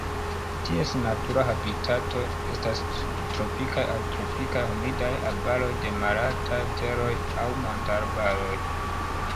Ties natura habitato estas subtropikaj aŭ tropikaj humidaj arbaroj de malaltaj teroj aŭ montarbaroj.